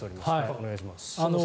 お願いします。